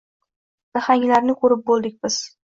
Naxanglarni koʼrib boʼldik biz.